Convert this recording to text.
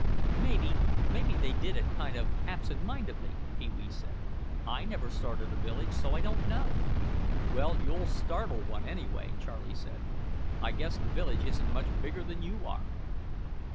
"Maybe—maybe they did it kind of absent mindedly," Pee wee said. "I never started a village so I don't know." "Well, you'll startle one anyway," Charlie said. "I guess the village isn't much bigger than you are."